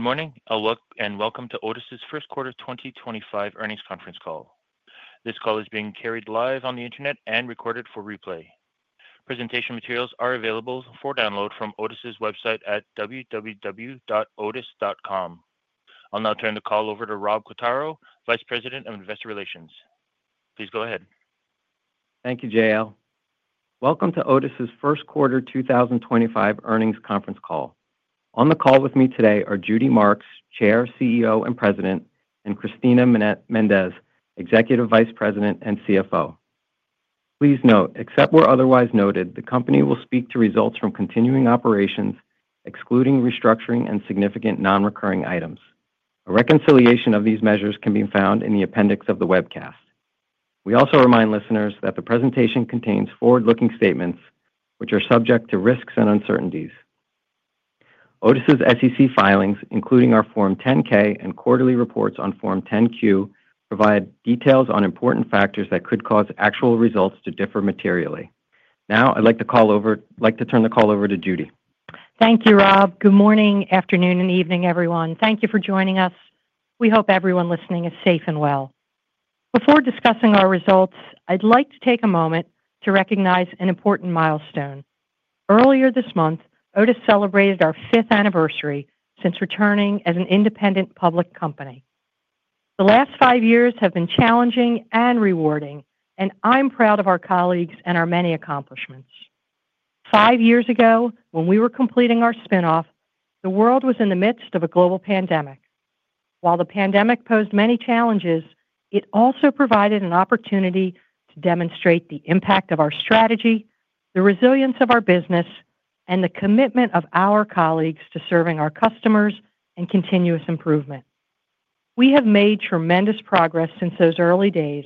Good morning and welcome to Otis First Quarter 2025 Earnings Conference Call. This call is being carried live on the Internet and recorded for replay. Presentation materials are available for download from Otis website at www.otis.com. I'll now turn the call over to Rob Quartaro, Vice President of Investor Relations. Please go ahead. Thank you. JL, welcome to Otis First Quarter 2025 Earnings Conference Call. On the call with me today are Judy Marks, Chair, CEO and President, and Cristina Méndez, Executive Vice President and CFO. Please note except where otherwise noted, the company will speak to results from continuing operations excluding restructuring and significant non recurring items. A reconciliation of these measures can be found in the appendix of the webcast. We also remind listeners that the presentation contains forward looking statements which are subject to risks and uncertainties. Otis SEC filings, including our Form 10-K and quarterly reports on Form 10-Q, provide details on important factors that could cause actual results to differ materially. Now I'd like to turn the call over to Judy. Thank you, Rob. Good morning, afternoon and evening everyone. Thank you for joining us. We hope everyone listening is safe and well. Before discussing our results, I'd like to take a moment to recognize an important milestone. Earlier this month, Otis celebrated our Fifth Anniversary since returning as an independent public company. The last five years have been challenging and rewarding and I'm proud of our colleagues and our many accomplishments. Five years ago, when we were completing our spinoff, the world was in the midst of a global pandemic. While the pandemic posed many challenges, it also provided an opportunity to demonstrate the impact of our strategy, the resilience of our business and the commitment of our colleagues to serving our customers and continuous improvement. We have made tremendous progress since those early days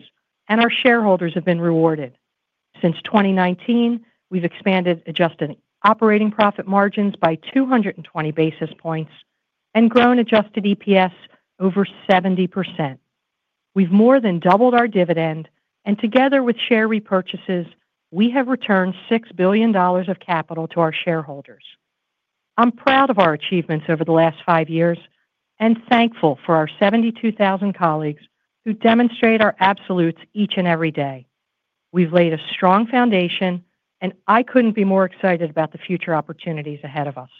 and our shareholders have been rewarded. Since 2019, we've expanded adjusted operating profit margins by 220 basis points and grown adjusted EPS over 70%. We've more than doubled our dividend and together with share repurchases, we have returned $6 billion of capital to our shareholders. I'm proud of our achievements over the last five years and thankful for our 72,000 colleagues who demonstrate our absolutes each and every day. We've laid a strong foundation and I couldn't be more excited about the future opportunities ahead of us.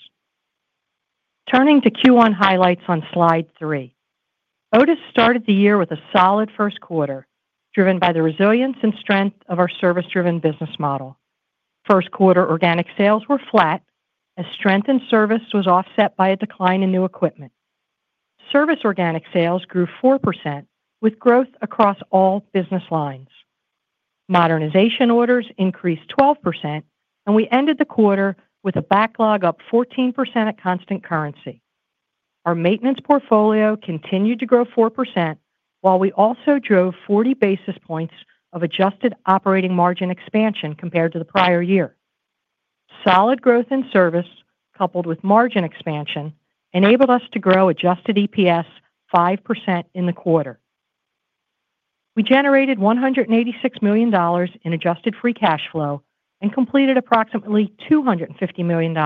Turning to Q1 highlights on slide 3, Otis started the year with a solid first quarter driven by the resilience and strength of our service driven business model. First quarter organic sales were flat as strength in service was offset by a decline in new equipment. Service, organic sales grew 4% with growth across all business lines. Modernization orders increased 12% and we ended the quarter with a backlog up 14% at constant currency. Our maintenance portfolio continued to grow 4% while we also drove 40 basis points of adjusted operating margin expansion compared to the prior year. Solid growth in service coupled with margin expansion enabled us to grow adjusted EPS 5% in the quarter. We generated $186 million in adjusted free cash flow and completed approximately $250 million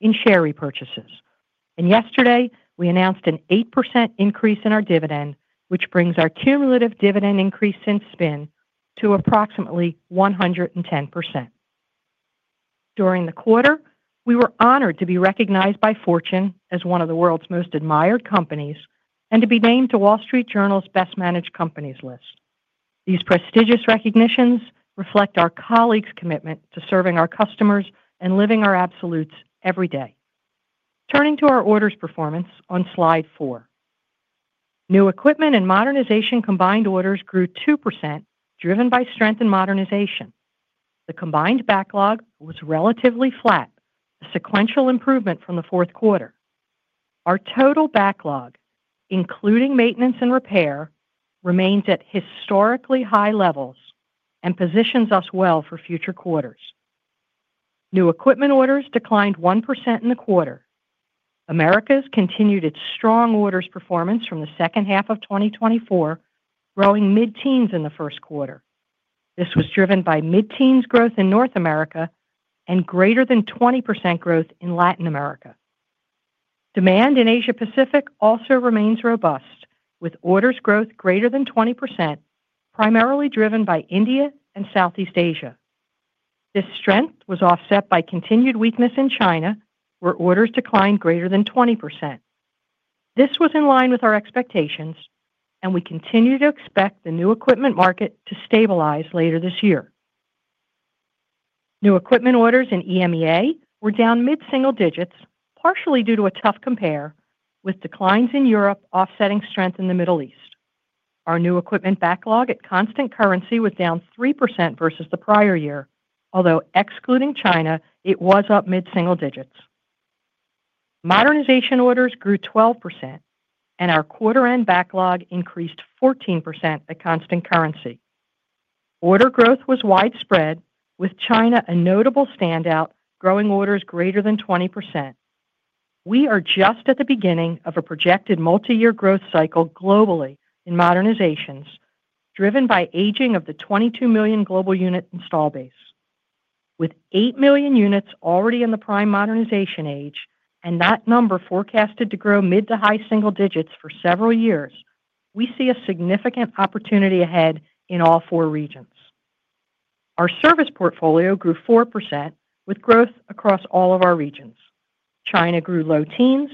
in share repurchases. Yesterday we announced an 8% increase in our dividend, which brings our cumulative dividend increase since spin to approximately 110%. During the quarter we were honored to be recognized by Fortune as one of the world's most admired companies and to be named to Wall Street Journal's Best Managed Companies. Listening, these prestigious recognitions reflect our colleagues' commitment to serving our customers and living our absolutes every day. Turning to our orders performance on slide 4, new equipment and modernization combined orders grew 2%, driven by strength in modernization. The combined backlog was relatively flat, a sequential improvement from the fourth quarter. Our total backlog, including maintenance and repair, remains at historically high levels and positions us well for future quarters. New equipment orders declined 1% in the quarter. Americas continued its strong orders performance from the second half of 2024, growing mid teens in the first quarter. This was driven by mid teens growth in North America and greater than 20% growth in Latin America. Demand in Asia Pacific also remains robust with orders growth greater than 20%, primarily driven by India and Southeast Asia. This strength was offset by continued weakness in China, where orders declined greater than 20%. This was in line with our expectations and we continue to expect the new equipment market to stabilize later this year. New equipment orders in EMEA were down mid single digits, partially due to a tough compare with declines in Europe offsetting strength in the Middle East. Our new equipment backlog at constant currency was down 3% versus the prior year, although excluding China it was up mid single digits. Modernization orders grew 12% and our quarter end backlog increased 14% at constant currency. Order growth was widespread with China a notable standout, growing orders greater than 20%. We are just at the beginning of a projected multi year growth cycle globally in modernizations driven by aging of the 22 million global unit install base. With 8 million units already in the prime modernization age and that number forecasted to grow mid to high single digits for several years, we see a significant opportunity ahead in all four regions. Our service portfolio grew 4% with growth across all of our regions. China grew low teens.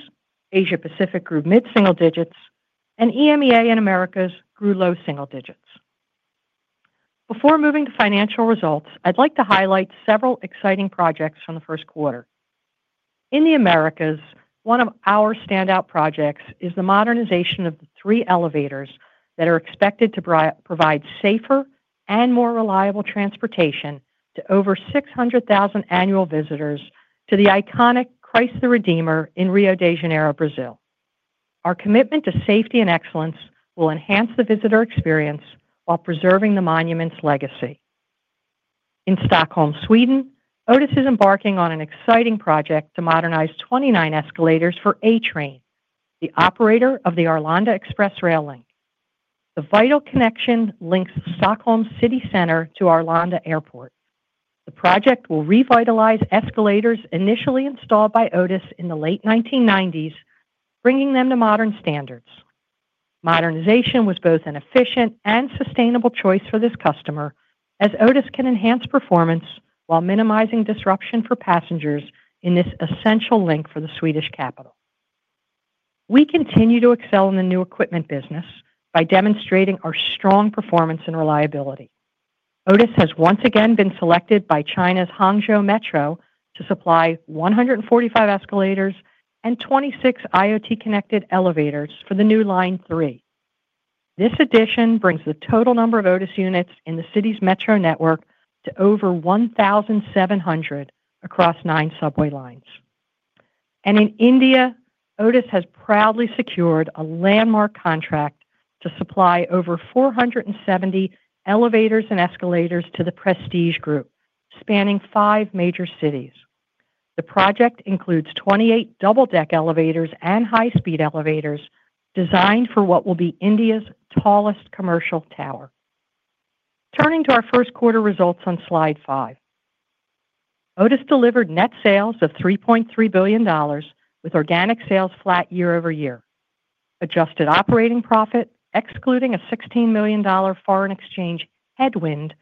Asia Pacific grew mid single digits and EMEA and Americas grew low single digits. Before moving to financial results, I'd like to highlight several exciting projects from the first quarter in the Americas. One of our standout projects is the modernization of the three elevators that are expected to provide safer and more reliable transportation to over 600,000 annual visitors to the iconic Christ the Redeemer in Rio de Janeiro, Brazil. Our commitment to safety and excellence will enhance the visitor experience while preserving the monument's legacy. In Stockholm, Sweden, Otis is embarking on an exciting project to modernize 29 escalators for a train. The operator of the Arlanda Express rail link, the vital connection, links Stockholm City center to Arlanda Airport. The project will revitalize escalators initially installed by Otis in the late 1990s, bringing them to modern standards. Modernization was both an efficient and sustainable choice for this customer, as Otis can enhance performance while minimizing disruption for passengers. In this essential link for the Swedish capital, we continue to excel in the new equipment business by demonstrating our strong performance and reliability. Otis has once again been selected by China's Hangzhou Metro to supply 145 escalators and 26 IoT connected elevators for the new Line 3. This addition brings the total number of Otis units in the city's metro network to over 1,700 across nine subway lines. In India, Otis has proudly secured a landmark contract to supply over 470 elevators and escalators to the Prestige Group. Spanning five major cities, the project includes 28 double deck elevators and high speed elevators designed for what will be India's tallest commercial tower. Turning to our first quarter results on Slide 5, Otis delivered net sales of $3.3 billion, with organic sales flat year-over-year. Adjusted operating profit, excluding a $16 million foreign exchange headwind,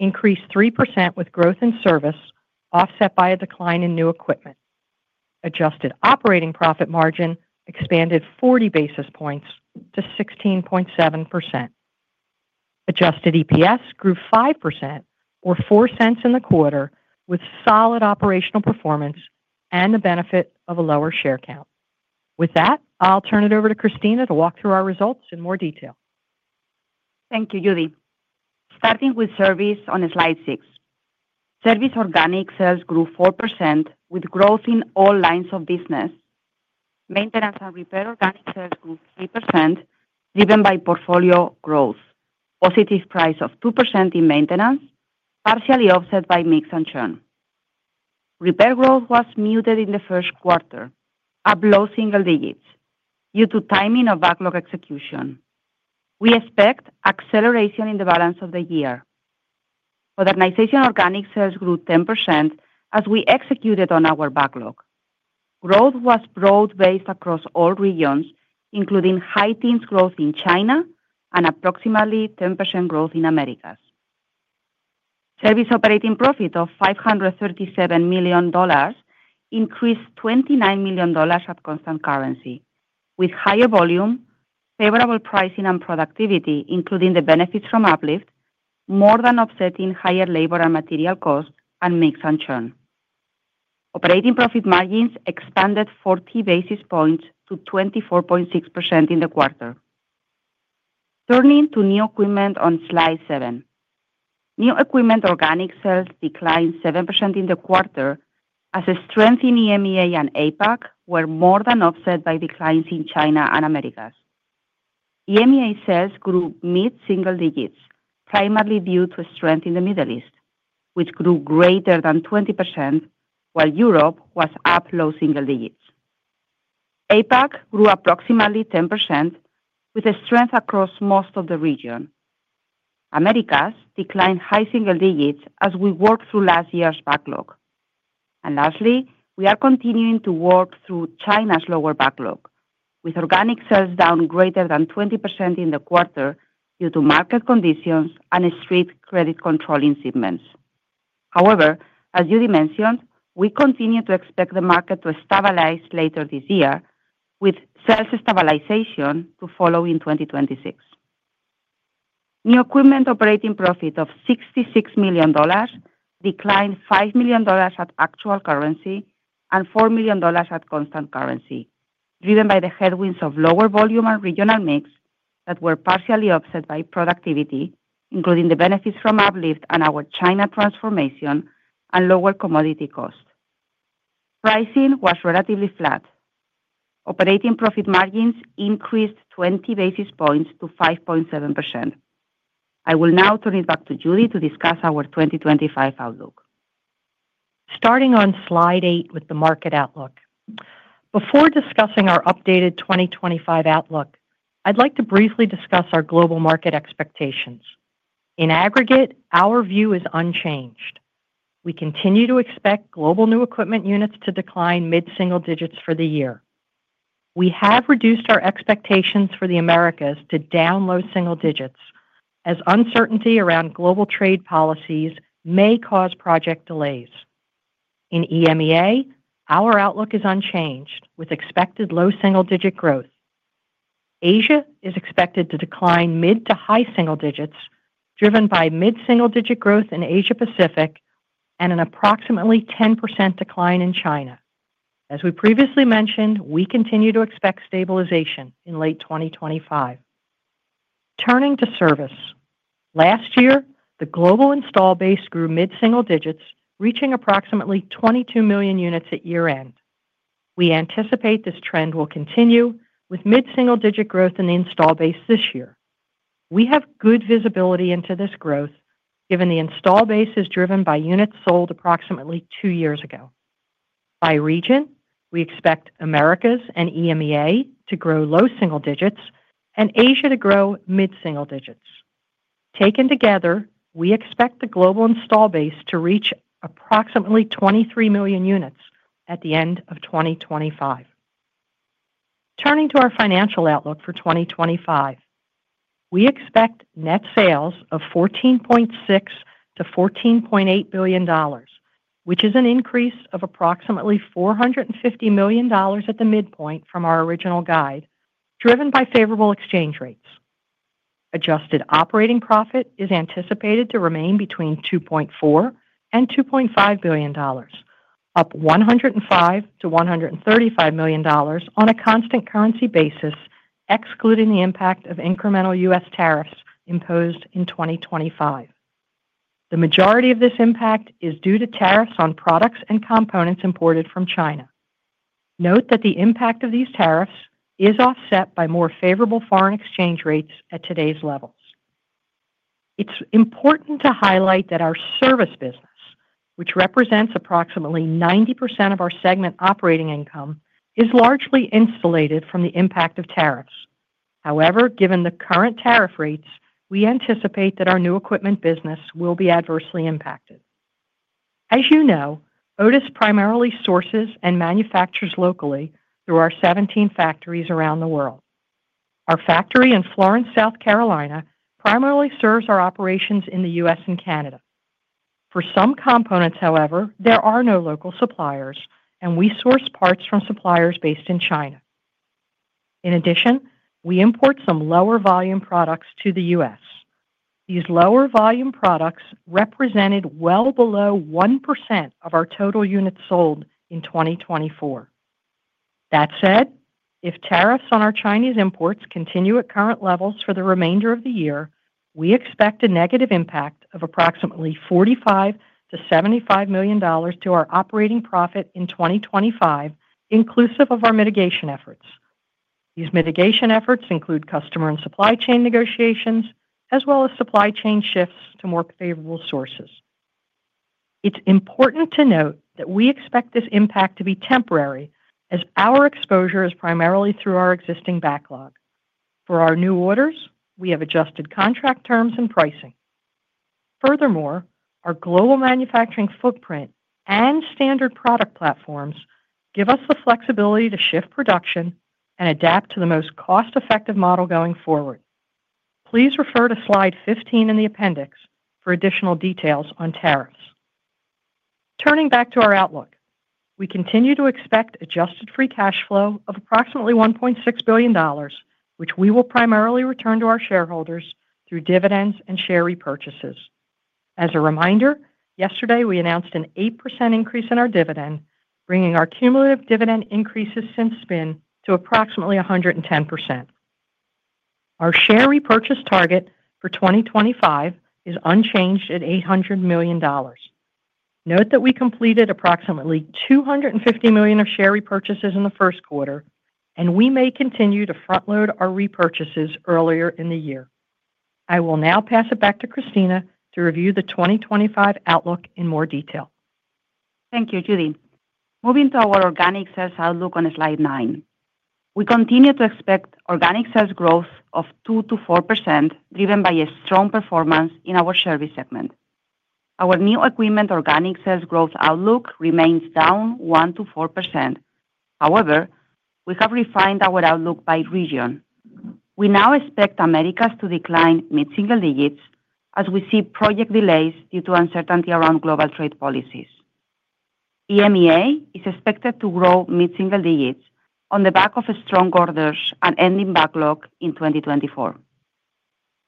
increased 3% with growth in service offset by a decline in new equipment. Adjusted operating profit margin expanded 40 basis points to 16.7%. Adjusted EPS grew 5% or 4 cents in the quarter with solid operational performance and the benefit of a lower share count. With that, I'll turn it over to Cristina to walk through our results in more detail. Thank you, Judy. Starting with Service on slide 6, service organic sales grew 4% with growth in all lines of business, maintenance and repair. Organic sales grew 3% driven by portfolio growth. Positive price of 2% in maintenance, partially offset by mix and churn repair. Growth was muted in the first quarter, up low single digits due to timing of backlog execution. We expect acceleration in the balance of the year. Modernization organic sales grew 10% as we executed on our backlog. Growth was broad based across all regions including high teens growth in China and approximately 10% growth in Americas. Service operating profit of $537 million increased $29 million at constant currency with higher volume, favorable pricing and productivity including the benefits from Uplift more than offsetting higher labor and material costs and mix and churn. Operating profit margins expanded 40 basis points to 24.6% in the quarter. Turning to new equipment on Slide 7, new equipment organic sales declined 7% in the quarter as strength in EMEA and Asia w-ere more than offset by declines in China and Americas. EMEA sales grew mid single digits primarily due to strength in the Middle East which grew greater than 20% while Europe was up low single digits. Asia Pacific grew approximately 10% with strength across most of the region. Americas declined high single digits as we worked through last year's backlog. Lastly, we are continuing to work through China's lower backlog with organic sales down greater than 20% in the quarter due to market conditions and strict credit controlling shipments. However, as Judy mentioned, we continue to expect the market to stabilize later this year with sales stabilization to follow in 2026. New equipment operating profit of $66 million declined $5 million at actual currency and $4 million at constant currency, driven by the headwinds of lower volume and regional mix that were partially offset by productivity including the benefits from Uplift and our China Transformation and lower commodity cost. Pricing was relatively flat. Operating profit margins increased 20 basis points to 5.7%. I will now turn it back to Judy to discuss our 2025 outlook starting. On Slide 8 with the market outlook. Before discussing our updated 2025 outlook, I'd like to briefly discuss our global market expectations in aggregate. Our view is unchanged. We continue to expect global new equipment units to decline mid single digits for the year. We have reduced our expectations for the Americas to down low single digits as uncertainty around global trade policies may cause project delays in EMEA. Our outlook is unchanged with expected low single digit growth. Asia is expected to decline mid to high single digits driven by mid single digit growth in Asia Pacific and an approximately 10% decline in China. As we previously mentioned, we continue to expect stabilization in late 2025. Turning to service, last year the global install base grew mid single digits reaching approximately 22 million units at year end. We anticipate this trend will continue with mid single digit growth in the install base this year. We have good visibility into this growth given the install base is driven by units sold approximately two years ago. By region, we expect Americas and EMEA to grow low single digits and Asia to grow mid single digits. Taken together, we expect the global install base to reach approximately 23 million units at the end of 2025. Turning to our financial outlook for 2025, we expect net sales of $14.6 billion-$14.8 billion, which is an increase of approximately $450 million at the midpoint from our original guide. Driven by favorable exchange rates, adjusted operating profit is anticipated to remain between $2.4 billion and $2.5 billion, up $105 million-$135 million on a constant currency basis. Excluding the impact of incremental U.S. tariffs imposed in 2025, the majority of this impact is due to tariffs on products and components imported from China. Note that the impact of these tariffs is offset by more favorable foreign exchange rates at today's levels. It's important to highlight that our service business, which represents approximately 90% of our segment operating income, is largely insulated from the impact of tariffs. However, given the current tariff rates, we anticipate that our new equipment business will be adversely impacted. As you know, Otis primarily sources and manufactures locally through our 17 factories around the world. Our factory in Florence, South Carolina primarily serves our operations in the U.S. and Canada. For some components, however, there are no local suppliers and we source parts from suppliers based in China. In addition, we import some lower volume products to the U.S. These lower volume products represented well below 1% of our total units sold in 2024. That said, if tariffs on our Chinese imports continue at current levels for the remainder of the year, we expect a negative impact of approximately $45 million-$75 million to our operating profit in 2025 inclusive of our mitigation efforts. These mitigation efforts include customer and supply chain negotiations as well as supply chain shifts to more favorable sources. It's important to note that we expect this impact to be temporary as our exposure is primarily through our existing backlog. For our new orders, we have adjusted contract terms and pricing. Furthermore, our global manufacturing footprint and standard product platforms give us the flexibility to shift production and adapt to the most cost effective model going forward. Please refer to slide 15 in the appendix for additional details on tariffs. Turning back to our outlook, we continue to expect adjusted free cash flow of approximately $1.6 billion, which we will primarily return to our shareholders through dividends and share repurchases. As a reminder, yesterday we announced an 8% increase in our dividend, bringing our cumulative dividend increases since spin to approximately 110%. Our share repurchase target for 2025 is unchanged at $800 million. Note that we completed approximately $250 million of share repurchases in the first quarter and we may continue to front load our repurchases earlier in the year. I will now pass it back to Cristina to review the 2025 outlook in more detail. Thank you, Judy. Moving to our organic sales outlook on slide 9, we continue to expect organic sales growth of 2-4% driven by a strong performance in our service segment. Our new equipment organic sales growth outlook remains down 1-4%. However, we have refined our outlook by region. We now expect Americas to decline mid single digits as we see project delays due to uncertainty around global trade policies. EMEA is expected to grow mid single digits on the back of strong orders and ending backlog in 2024.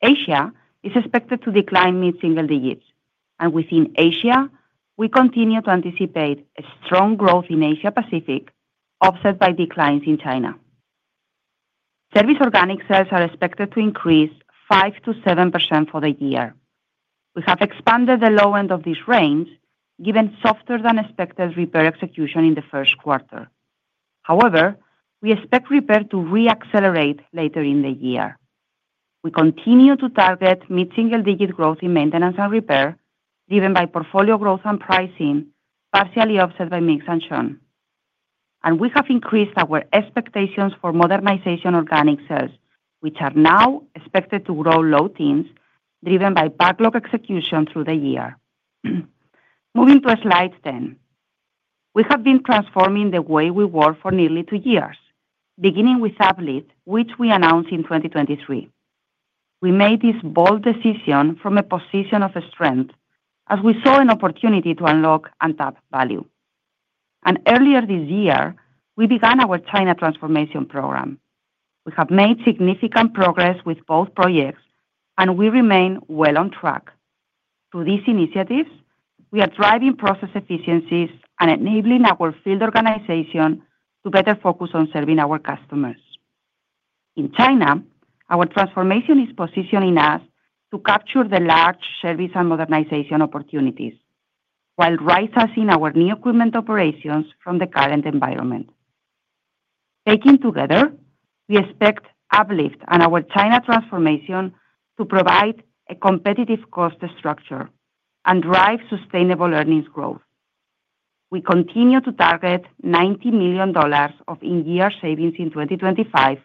Asia is expected to decline mid single digits, and within Asia we continue to anticipate a strong growth in Asia Pacific offset by declines in China. Service organic sales are expected to increase 5-7% for the year. We have expanded the low end of this range given softer than expected repair execution in the first quarter. However, we expect repair to reaccelerate later in the year. We continue to target mid single digit growth in maintenance and repair driven by portfolio growth and pricing, partially offset by mix and churn, and we have increased our expectations for modernization organic sales, which are now expected to grow low teens, driven by backlog execution through the year. Moving to slide 10, we have been transforming the way we work for nearly two years, beginning with Uplift, which we announced in 2023. We made this bold decision from a position of strength as we saw an opportunity to unlock untapped value, and earlier this year we began our China Transformation program. We have made significant progress with both projects, and we remain well on track through these initiatives. We are driving process efficiencies and enabling our field organization to better focus on serving our customers in China. Our transformation is positioning us to capture the large service and modernization opportunities while rising our new equipment operations from the current environment. Taken together, we expect Uplift and our China Transformation to provide a competitive cost structure and drive sustainable earnings growth. We continue to target $90 million of in-year savings in 2025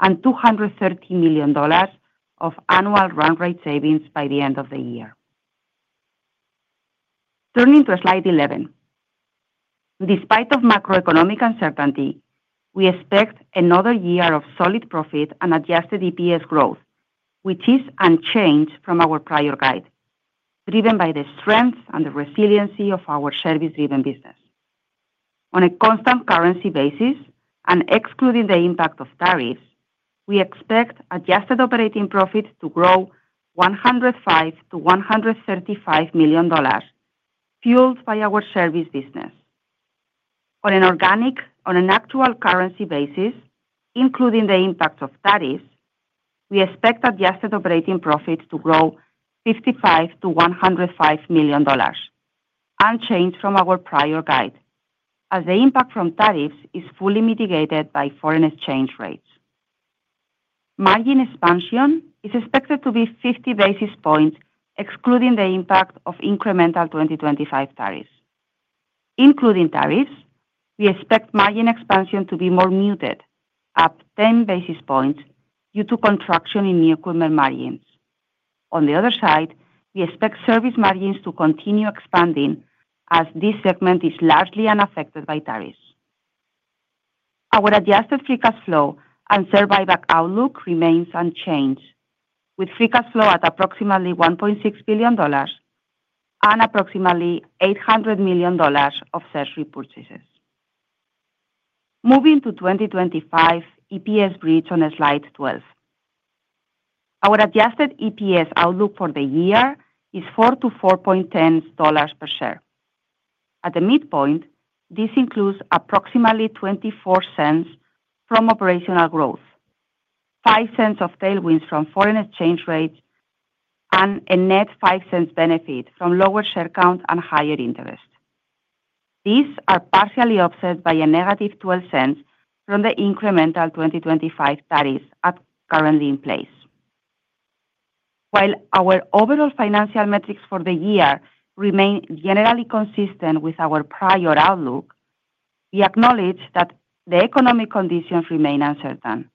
and $230 million of annual run rate savings by the end of the year. Turning to slide 11, despite macroeconomic uncertainty, we expect another year of solid profit and adjusted EPS growth, which is unchanged from our prior guide, driven by the strength and the resiliency of our service-driven business. On a constant currency basis and excluding the impact of tariffs, we expect adjusted operating profit to grow $105-$135 million fueled by our service business. On an actual currency basis, including the impact of tariffs, we expect adjusted operating profit to grow $55-$105 million unchanged from our prior guide. As the impact from tariffs is fully mitigated by foreign exchange rates, margin expansion is expected to be 50 basis points excluding the impact of incremental 2025 tariffs. Including tariffs, we expect margin expansion to be more muted, up 10 basis points due to contraction in new cooler margins. On the other side, we expect service margins to continue expanding as this segment is largely unaffected by tariffs. Our adjusted free cash flow and share buyback outlook remains unchanged with free cash flow at approximately $1.6 billion and approximately $800 million of share repurchases. Moving to 2025 EPS Bridge on Slide 12, our adjusted EPS outlook for the year is $4-$4.10 per share at the midpoint. This includes approximately $0.24 from operational growth, $0.05 of tailwinds from foreign exchange rates, and a net $0.05 benefit from lower share count and higher interest. These are partially offset by a negative $0.12 from the incremental 2025 tariffs currently in place. While our overall financial metrics for the year remain generally consistent with our prior outlook, we acknowledge that the economic conditions remain uncertain,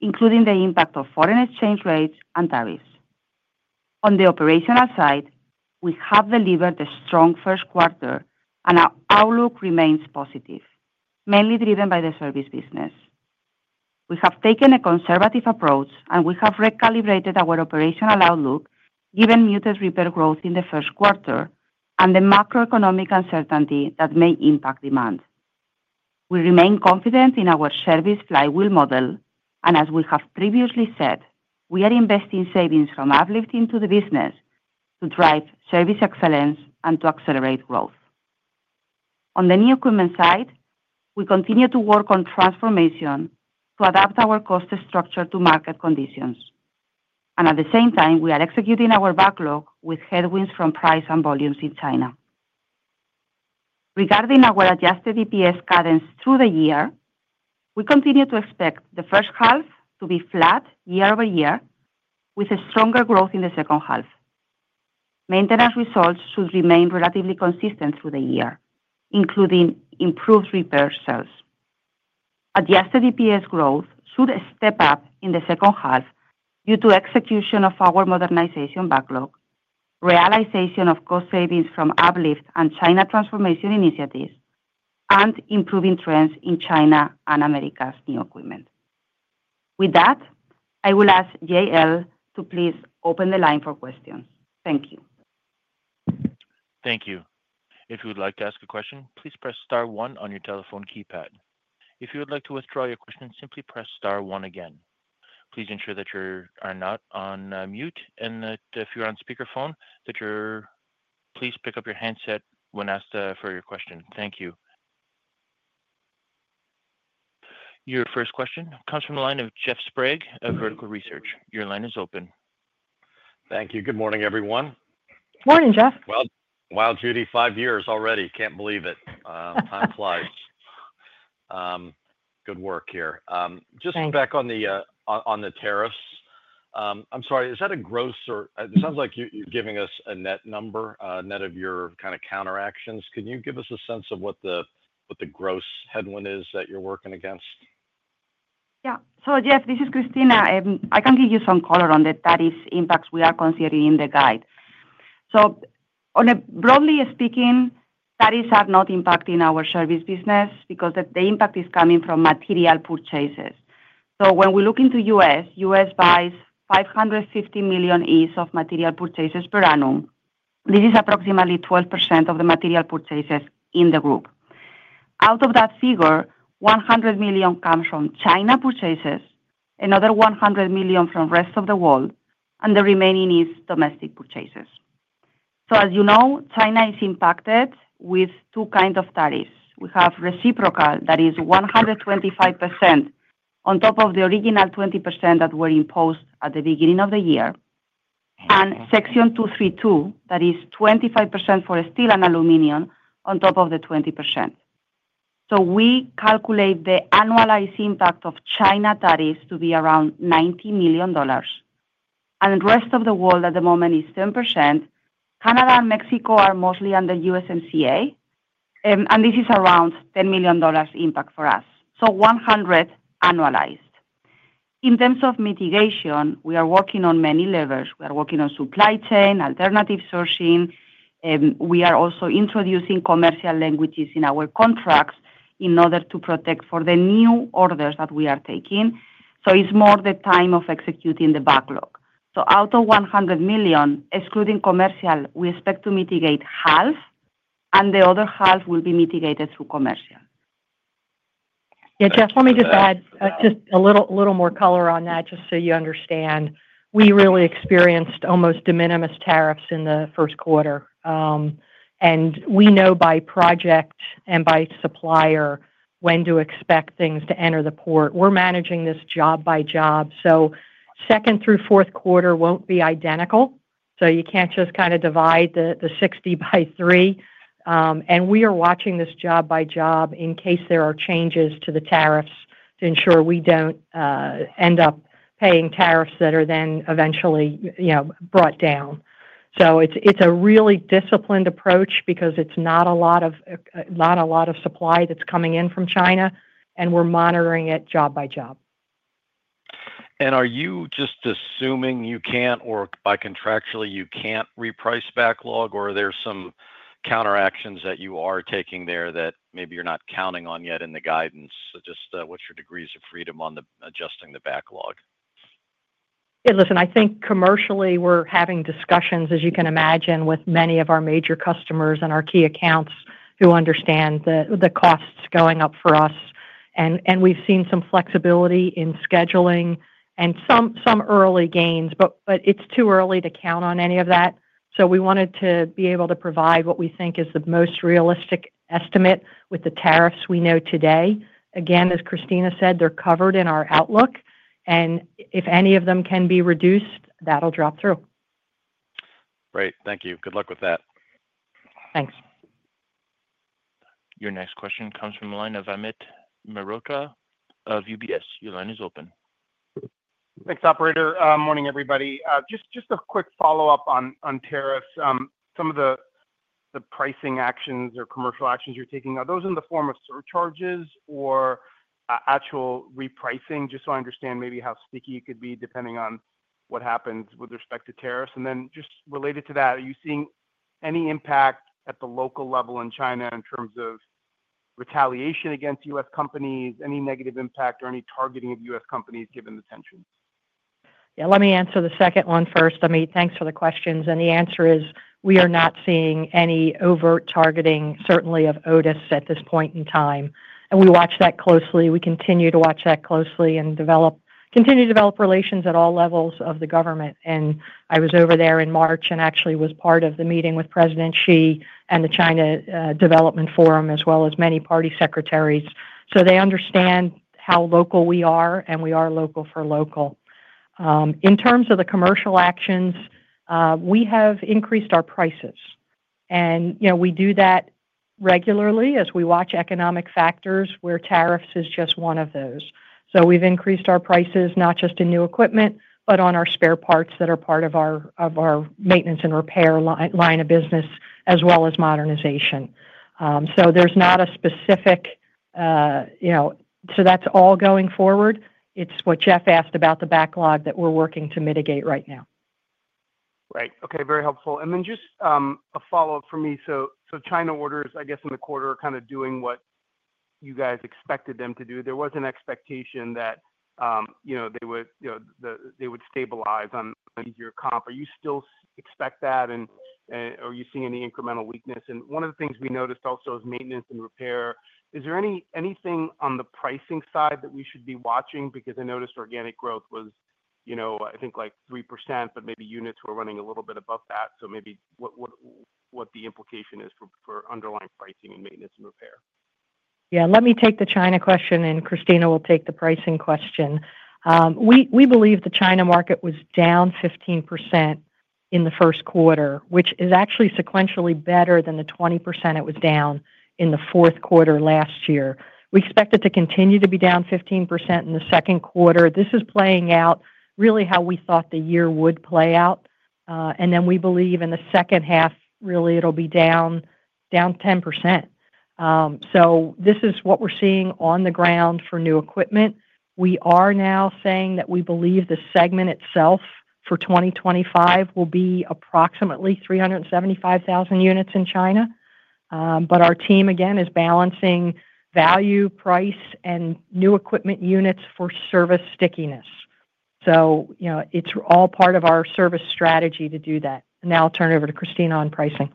including the impact of foreign exchange rates and tariffs. On the operational side, we have delivered a strong first quarter and our outlook remains positive, mainly driven by the service business. We have taken a conservative approach and we have recalibrated our operational outlook. Given muted repair growth in the first quarter and the macroeconomic uncertainty that may impact demand, we remain confident in our service flywheel model and as we have previously said, we are investing savings from uplifting to the business to drive service excellence and to accelerate growth. On the new equipment side, we continue to work on transformation to adapt our cost structure to market conditions and at the same time we are executing our backlog with headwinds from price and volumes in China. Regarding our adjusted EPS guidance through the year, we continue to expect the first half to be flat year-over-year with a stronger growth in the second half. Maintenance results should remain relatively consistent through the year, including improved repair sales. Adjusted EPS growth should step up in the second half due to execution of our modernization backlog, realization of cost savings from Uplift and China Transformation initiatives, and improving trends in China and Americas new equipment. With that, I will ask JL to please open the line for questions. Thank you. Thank you. If you would like to ask a question, please press star one on your telephone keypad. If you would like to withdraw your question, simply press star one again. Please ensure that you are not on mute and that if you're on speakerphone that you're. Please pick up your handset when asked for your question. Thank you. Your first question comes from the line of Jeff Sprague of Vertical Research. Your line is open. Thank you. Good morning, everyone. Morning, Jeff. Wow, Judy. Five years already. Can't believe it. Time flies. Good work here. Just back on the tariffs. I'm sorry, is that a gross or, it sounds like you're giving us a net number, net of your kind of counteractions. Can you give us a sense of what the gross headwind is that you're working against? Yeah. Jeff, this is Cristina. I can give you some color on the tariffs impacts we are considering in the guide. Broadly speaking, that is not impacting our service business because the impact is coming from material purchases. When we look into us, U.S. buys $550 million of material purchases per annum, this is approximately 12% of the material purchases in the group. Out of that figure, $100 million comes from China purchases, another $100 million from rest of the world, and the remaining is domestic purchases. As you know, China is impacted with two kinds of tariffs. We have reciprocal, that is 125% on top of the original 20% that were imposed at the beginning of the year, and Section 232, that is 25% for steel and aluminum on top of the 20%. We calculate the annualized impact of China tariffs to be around $90 million. The rest of the world at the moment is 10%. Canada and Mexico are mostly under USMCA and this is around $10 million impact for us. So $100 million annualized. In terms of mitigation, we are working on many levers. We are working on supply chain alternative sourcing. We are also introducing commercial languages in our contracts in order to protect for the new orders that we are taking. It is more the time of executing the backlog. Out of $100 million, excluding commercial, we expect to mitigate half and the other half will be mitigated through commercial. Yeah, Jeff, let me just add just a little more color on that. Just so you understand. We really experienced almost de minimis tariffs in the first quarter. We know by project and by supplier when to expect things to enter the port. We're managing this job by job. Second through fourth quarter will not be identical. You cannot just kind of divide the 60 by 3. We are watching this job by job in case there are changes to the tariffs to ensure we do not end up paying tariffs that are then eventually brought down. It is a really disciplined approach because it is not a lot of supply that is coming in from China and we are monitoring it job by job. Are you just assuming you can't or by contractually you can't reprice backlog, or are there some counteractions that you are taking there that maybe you're not counting on yet in the guidance? Just what's your degrees of freedom on adjusting the backlog? Listen, I think commercially we're having discussions, as you can imagine, with many of our major customers and our key accounts who understand the costs going up for us. We've seen some flexibility in scheduling and some early gains, but it's too early to count on any of that. We wanted to be able to provide what we think is the most realistic estimate with the tariffs we know today. Again, as Cristina said, they're covered in our outlook and if any of them can be reduced, that'll drop through. Great, thank you. Good luck with that. Thanks. Your next question comes from the line of Amit Mehrotra of UBS. Your line is open. Thanks, operator. Morning everybody. Just a quick follow up on tariffs. Some of the pricing actions or commercial actions you're taking, are those in the form of surcharges or actual repricing? Just so I understand, maybe how sticky it could be depending on what happens with respect to tariffs. Just related to that, are you seeing any impact at the local level in China in terms of retaliation against U.S. Companies? Any negative impact or any targeting of U.S. Companies given the tensions? Yeah, let me answer the second one first, Amit, thanks for the questions. The answer is we are not seeing any overt targeting certainly of Otis at this point in time. We watch that closely. We continue to watch that closely and continue to develop relations at all levels of the government. I was over there in March and actually was part of the meeting with President Xi and the China Development Forum as well as many party secretaries. They understand how local we are and we are local for local. In terms of the commercial actions, we have increased our prices and you know, we do that regularly as we watch economic factors where tariffs is just one of those. We have increased our prices not just in new equipment, but on our spare parts that are part of our maintenance and repair line of business as well as modernization. There is not a specific, you know, that is all going forward. It is what Jeff asked about the backlog that we are working to mitigate right now. Right, okay, very helpful. Just a follow up for me. China orders, I guess in the quarter kind of doing what you guys expected them to do. There was an expectation that, you know, they would, you know, they would stabilize on. Are you still expect that and are you seeing any incremental weakness? One of the things we noticed also is maintenance and repair. Is there anything on the pricing side that we should be watching? Because I noticed organic growth was, I think, like 3%, but maybe units were running a little bit above that. Maybe what the implication is for underlying pricing and maintenance and repair. Yeah, let me take the China question and Christina will take the pricing question. We believe the China market was down 15% in the first quarter, which is actually sequentially better than the 20% it was down in the fourth quarter last year. We expect it to continue to be down 15% in the second quarter. This is playing out really how we thought the year would play out. We believe in the second half really it will be down 10%. This is what we are seeing on the ground for new equipment. We are now saying that we believe the segment itself for 2025 will be approximately 375,000 units in China. Our team again is balancing value, price and new equipment units for service stickiness. It is all part of our service strategy to do that. Now I will turn it over to Christina. On pricing.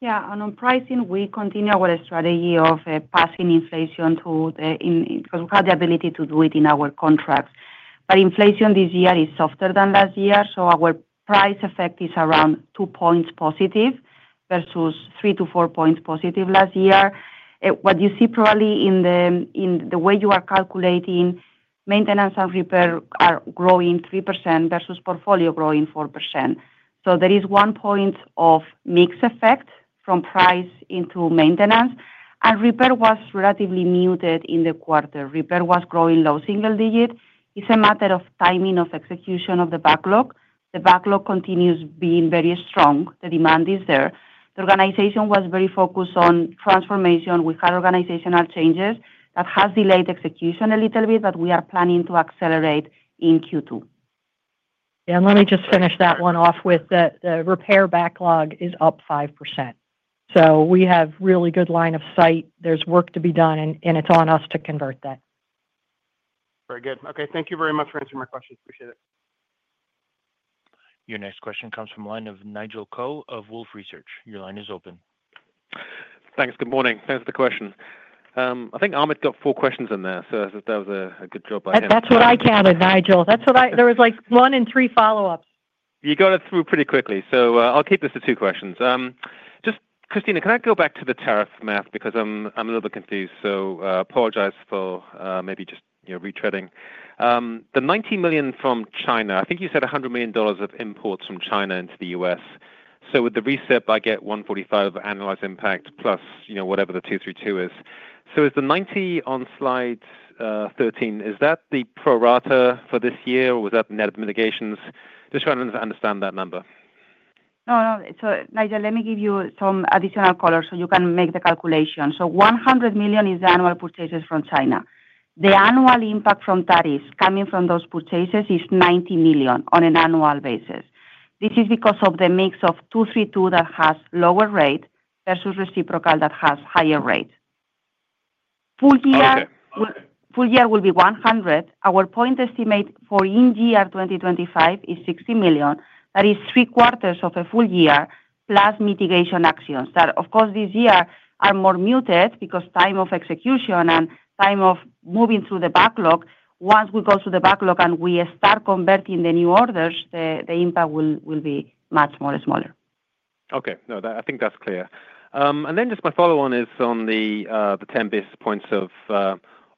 Yeah, on pricing. We continue our strategy of passing inflation because we have the ability to do it in our contracts. Inflation this year is softer than last year. Our price effect is around 2% positive versus 3-4% positive last year. What you see probably in the way you are calculating, maintenance and repair are growing 3% versus portfolio growing 4%. There is one point of mix effect from price into maintenance and repair, which was relatively muted in the quarter. Repair was growing low single digit. It is a matter of timing of execution of the backlog. The backlog continues being very strong. The demand is there. The organization was very focused on transformation. We had organizational changes that have delayed execution a little bit that we are planning to accelerate in Q2. Let me just finish that one off with. The repair backlog is up 5%. We have really good line of sight. There's work to be done and it's on us to convert that. Very good. Okay, thank you very much for answering my questions. Appreciate it. Your next question comes from the line of Nigel Coe of Wolfe Research. Your line is open. Thanks. Good morning. Thanks for the question. I think Ahmed got four questions in there, so that was a good job by that. That's what I counted, Nigel. That's what I. There was like one and three follow ups. You got it through pretty quickly. I'll keep this to two questions. Just, Cristina, can I go back to the tariff math because I'm a little bit confused. Apologize for maybe just retreading the $90 million from China. I think you said $100 million of imports from China into the U.S. With the reset, I get $145 million annualized impact plus whatever the Section 232 is. Is the $90 million on slide 13? Is that the pro rata for this year or was that net of mitigations? Just trying to understand that number. No. Nigel, let me give you some additional color so you can make the calculation. $100 million is the annual purchases from China. The annual impact from tariffs coming from those purchases is $90 million on an annual basis. This is because of the mix of 232 that has lower rate versus reciprocal that has higher rate. Full year will be $100 million. Our point estimate for in year 2025 is $60 million. That is three quarters of a full year plus mitigation actions that of course this year are more muted because time of execution and time of moving through the backlog. Once we go through the backlog and we start converting the new orders, the impact will be much more smaller. Okay. No, I think that's clear. My follow on is on the 10 basis points of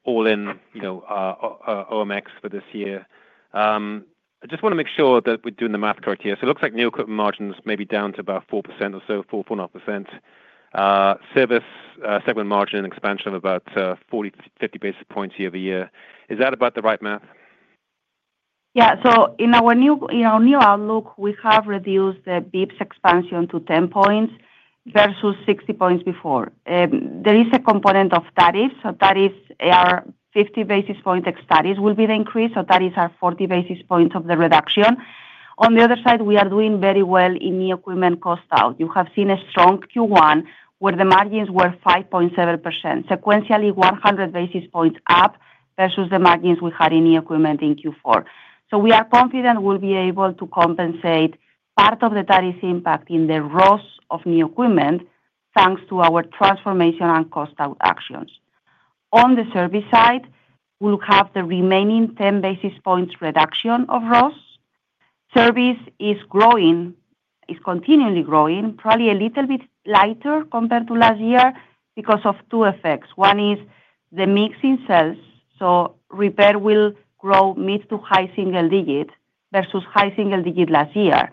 all in OMX for this year. I just want to make sure that we're doing the math correct here. It looks like new equipment margins may be down to about 4% or so. 4.5% service segment margin expansion of about 40-50 basis points year-over-year. Is that about the right math? Yeah. In our new outlook, we have reduced the basis points expansion to 10 points versus 60 points before. There is a component of tariffs. That is our 50 basis point studies will be the increase. That is our 40 basis points of the reduction. On the other side, we are doing very well in the equipment cost out. You have seen a strong Q1. We have where the margins were 5.7% sequentially, 100 basis points up versus the margins we had in new equipment in Q4. We are confident we will be able to compensate part of the tariff impact in the ROS of new equipment. Thanks to our transformation and cost out actions on the service side, we will have the remaining 10 basis points reduction of ROS. Service is growing, is continually growing, probably a little bit lighter compared to last year because of two effects. One is the mix in sales. Repair will grow mid to high single digit versus high single digit last year.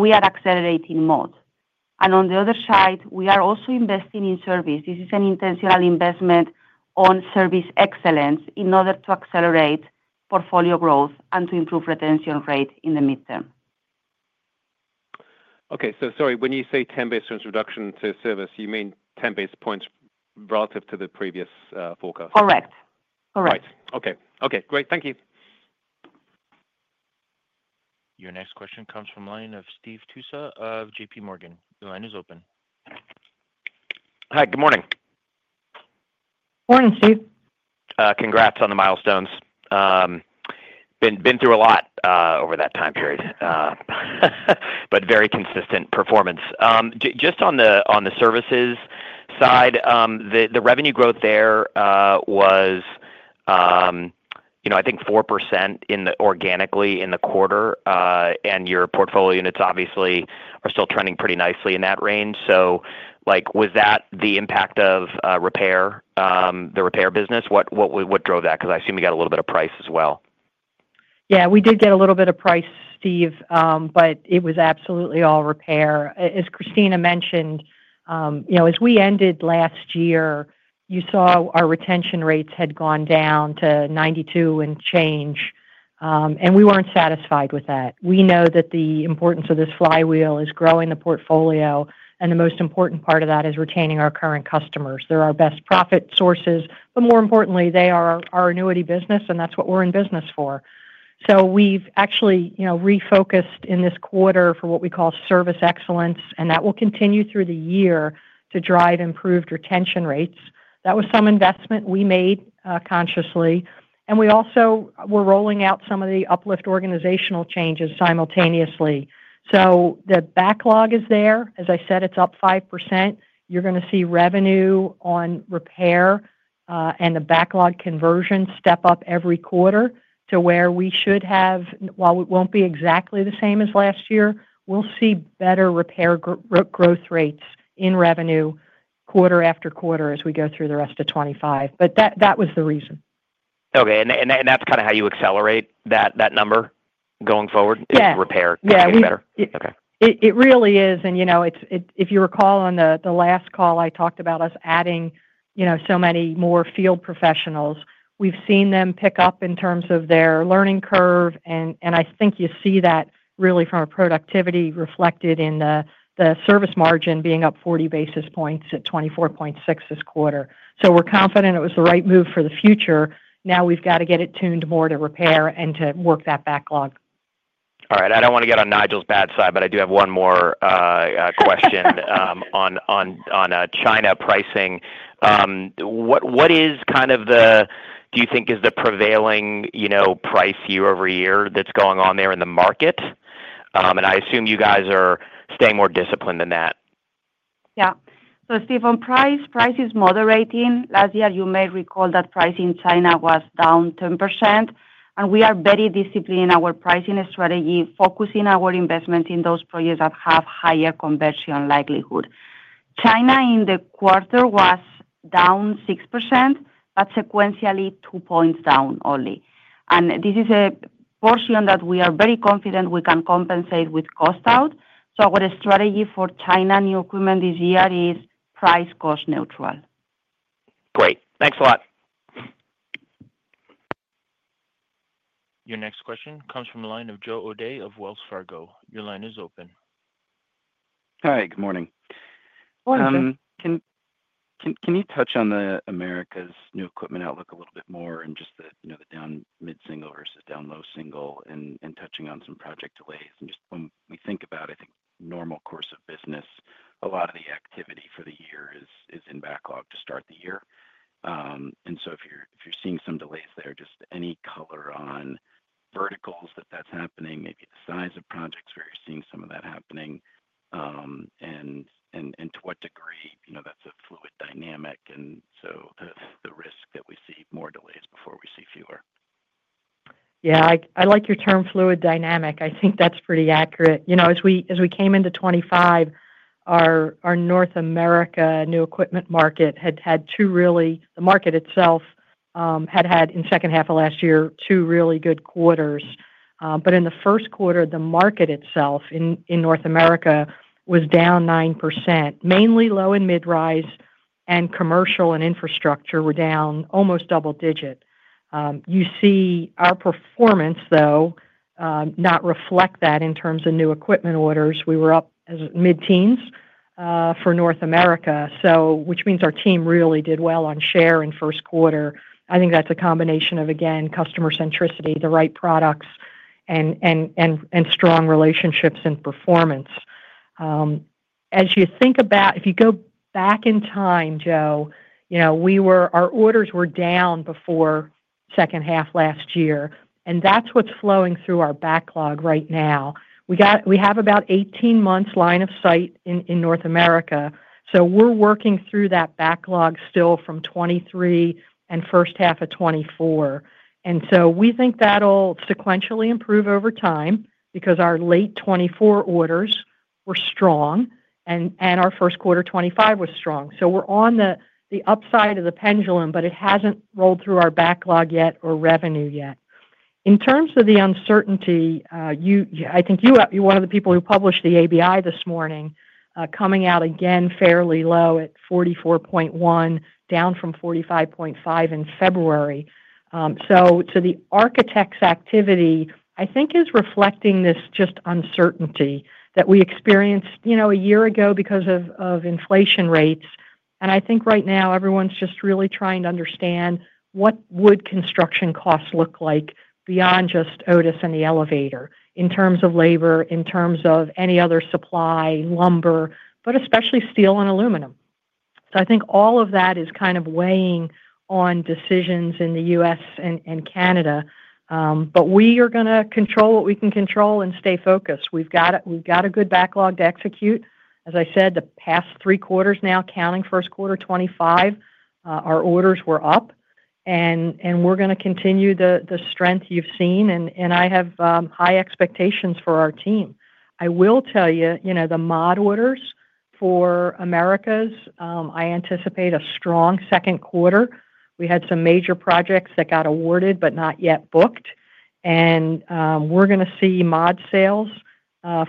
We are accelerating mode. On the other side we are also investing in service. This is an intentional investment on service excellence in order to accelerate portfolio growth and to improve retention rate in the midterm. Okay, sorry, when you say 10 basis points reduction to service, you mean 10 basis points relative to the previous forecast, correct? Correct. Right. Okay. Okay, great. Thank you. Your next question comes from line of Steve Tusa of J.P. Morgan. Your line is open. Hi, good morning. Morning, Steve. Congrats on the milestones. Been through a lot over that time period, but very consistent performance. Just on the services side, the revenue growth there was.I think 4% organically in the quarter. Your portfolio units obviously are still trending pretty nicely in that range. Was that the impact of repair, the repair business? What drove that? Because I assume you got a little bit of price as well. Yeah, we did get a little bit of price, Steve, but it was absolutely all repair. As Cristina mentioned, as we ended last year, you saw our retention rates had gone down to 92 and change and we weren't satisfied with that. We know that the importance of this flywheel is growing the portfolio. The most important part of that is retaining our current customers. They're our best profit sources, but more importantly, they are our annuity business and that's what we're in business for. We've actually refocused in this quarter for what we call service excellence. That will continue through the year to drive improved retention rates. That was some investment we made consciously. We also were rolling out some of the uplift organizational changes simultaneously. The backlog is there. As I said, it's up 5%. You're going to see revenue on repair and the backlog conversion step up every quarter to where we should have. While it won't be exactly the same as last year, we'll see better repair growth rates in revenue quarter after quarter as we go through the rest of 2025. That was the reason. Okay. That is kind of how you accelerate that number going forward, is repair. It really is. If you recall, on the last call I talked about us adding so many more field professionals. We have seen them pick up in terms of their learning curve. I think you see that really from a productivity reflected in the service margin being up 40 basis points at 24.6 this quarter. We are confident it was the right move for the future. Now we have to get it tuned more to repair and to work that backlog. All right, I don't want to get on Nigel's bad side, but I do have one more question on China pricing. What is kind of the, do you think is the prevailing price year-over-year that's going on there in the market? I assume you guys are staying more disciplined than that. Yeah, Steve, on price, price is moderating. Last year you may recall that price in China was down 10%. And we are very disciplined in our pricing strategy, focusing our investment in those projects that have higher conversion likelihood. China in the quarter was down 6%, but sequentially two points down only. This is a portion that we are very confident we can compensate with cost out. Our strategy for China new equipment this year is price cost neutral. Great. Thanks a lot. Your next question comes from the line of Joe O'Dea of Wells Fargo. Your line is open. Hi, good morning. Can you touch on the Americas new equipment outlook a little bit more and just the down mid single versus down low single and touching on some project delays. When we think about, I think normal course of business, a lot of the activity for the year is in backlog to start the year. If you're seeing some delays there, just any color on verticals that that's happening, maybe the size of projects where you're seeing some of that happening and to what degree that's a fluid dynamic. The risk that we see more delays before we see fewer. Yeah, I like your term fluid dynamic. I think that's pretty accurate. As we came into 2025, our North America new equipment market had had two really, the market itself had had in second half of last year two really good quarters. In the first quarter, the market itself in North America was down 9%, mainly low and mid rise and commercial and infrastructure were down almost double digit. You see our performance though not reflect that in terms of new equipment orders. We were up as mid teens for North America, which means our team really did well on share in first quarter. I think that's a combination of, again, customer centricity, the right products and strong relationships and performance. As you think about, if you go back in time, Joe. Our orders were down before second half last year, and that's what's flowing through our backlog right now. We have about 18 months line of sight in North America. We are working through that backlog still from 2023 and first half of 2024. We think that'll sequentially improve over time because our late 2024 orders were strong and our first quarter 2025 was strong. We are on the upside of the pendulum, but it hasn't rolled through our backlog yet or revenue yet. In terms of the uncertainty, I think you're one of the people who published the ABI this morning. Coming out again fairly low at 44.1, down from 45.5 in February. The architect's activity, I think, is reflecting this just uncertainty that we experienced a year ago because of inflation rates. I think right now everyone's just really trying to understand what would construction costs look like beyond just Otis and the elevator in terms of labor, in terms of any other supply lumber, but especially steel and aluminum. I think all of that is kind of weighing on decisions in the U.S. and Canada. We are going to control what we can control and stay focused. We've got a good backlog to execute. As I said, the past three quarters now, counting first quarter 2025, our orders were up and we're going to continue the strength you've seen. I have high expectations for our team. I will tell you the mod orders for Americas, I anticipate a strong second quarter. We had some major projects that got awarded but not yet booked. We are going to see mod sales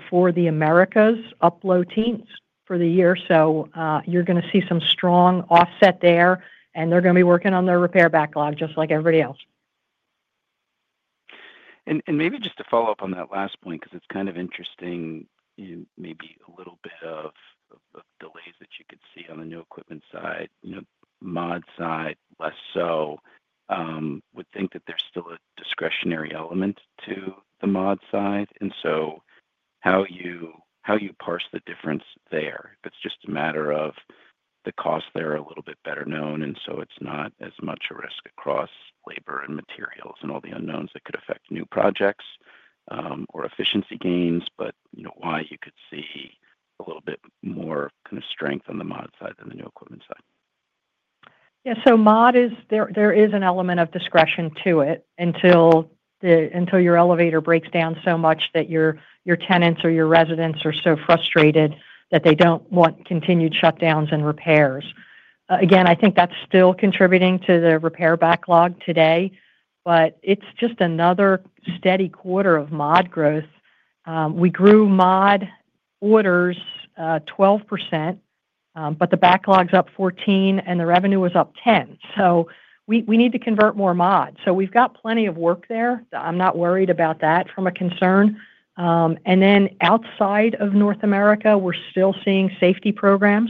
for the Americas up low teens for the year. You are going to see some strong offset there. They are going to be working on their repair backlog just like everybody else. Maybe just to follow up on that last point, because it's kind of interesting, maybe a little bit of delays that you could see on the new equipment side, mod side, less so would think that there's still a discretionary element to the mod side. How you parse the difference there, it's just a matter of the cost. There are a little bit better known. It's not as much a risk across labor and materials and all the unknowns that could affect new projects or efficiency gains. Why you could see a little bit more strength on the mod side than the new equipment side. Yeah. Mod is there is an element of discretion to it until your elevator breaks down so much that your tenants or your residents are so frustrated that they do not want continued shutdowns and repairs again. I think that is still contributing to the repair backlog today, but it is just another steady quarter of mod growth. We grew mod orders 12%, but the backlog is up 14% and the revenue was up 10%. We need to convert more mods. We have got plenty of work there. I am not worried about that from a concern. Outside of North America, we are still seeing safety programs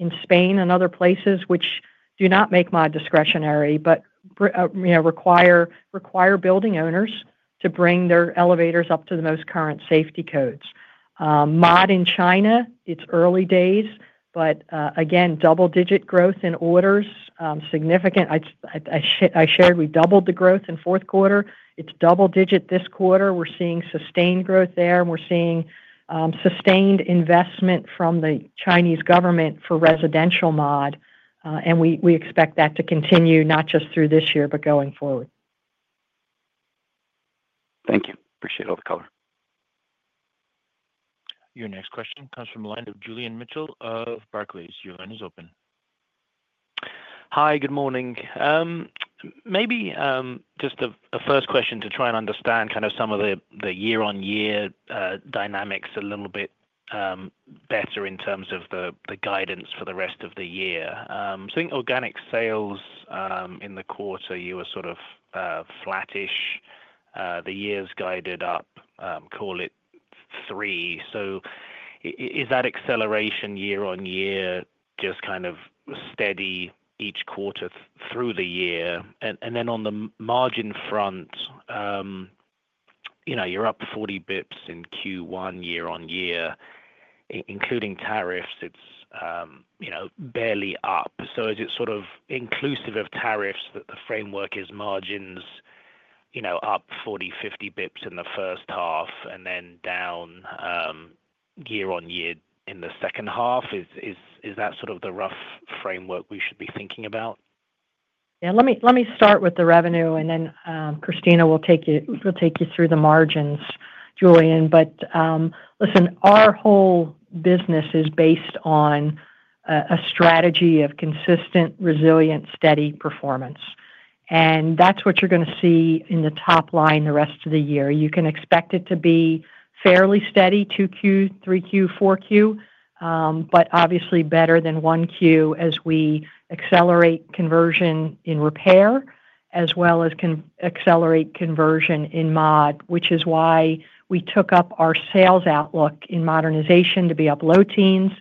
in Spain and other places which do not make mod discretionary, but require building owners to bring their elevators up to the most current safety codes. Mod in China, it is early days, but again, double digit growth in orders, significant. I shared we doubled the growth in fourth quarter. It's double digit this quarter. We're seeing sustained growth there. We're seeing sustained investment from the Chinese government for residential mod and we expect that to continue not just through this year, but going forward. Thank you. Appreciate all the color. Your next question comes from the line of Julian Mitchell of Barclays. Your line is open. Hi, good morning. Maybe just a first question to try and understand kind of some of the year on year dynamics a little bit better in terms of the guidance for the rest of the year. In organic sales in the quarter you were sort of flattish, the year's guided up, call it 3%. Is that acceleration year on year just kind of steady each quarter through the year and then on the margin front, you're up 40 basis points in Q1 year on year, including tariffs, it's barely up. Is it sort of inclusive of tariffs that the framework is margins, you know, up 40-50 basis points in the first half and then down year on year in the second half? Is that sort of the rough framework we should be thinking about? Yeah, let me start with the revenue and then Cristina will take you. We'll take you through the margins, Julian. Our whole business is based on a strategy of consistent, resilient, steady performance. That's what you're going to see in the top line the rest of the year. You can expect it to be fairly steady, 2Q, 3Q, 4Q, but obviously better than 1Q. As we accelerate conversion in repair as well as accelerate conversion in mod, which is why we took up our sales outlook in modernization to be up low teens,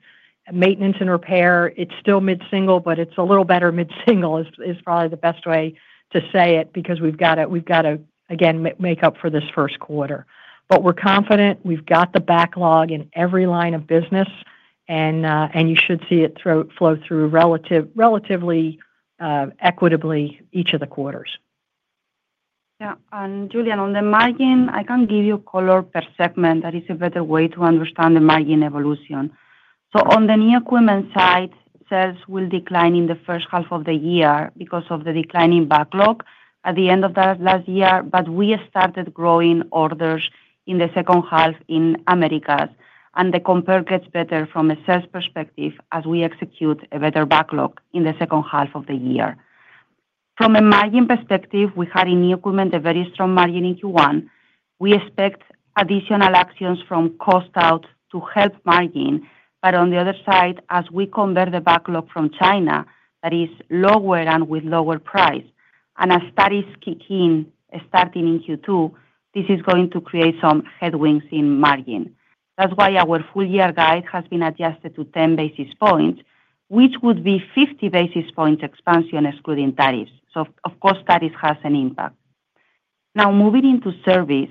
maintenance and repair. It's still mid single, but it's a little better. Mid single is probably the best way to say it because we've got to again make up for this first quarter. We're confident we've got the backlog in every line of business. You should see it flow through relatively equitably. Each of the quarters. Julian, on the margin I can give you color per segment. That is a better way to understand the margin evolution. On the new equipment side, sales will decline in the first half of the year because of the declining backlog at the end of last year. We started growing orders in the second half in Americas. The compare gets better from a sales perspective as we execute a better backlog in the second half of the year. From a margin perspective, we had in new equipment a very strong margin. In Q1, we expect additional actions from cost out to help margin. On the other side, as we convert the backlog from China, that is lower and with lower price and as tariffs kick in starting in Q2, this is going to create some headwinds in margin. That's why our full year guide has been adjusted to 10 basis points, which would be 50 basis points expansion, excluding tariffs. Of course tariffs has an impact. Now moving into service,